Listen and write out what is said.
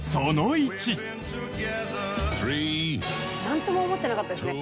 何とも思ってなかったですね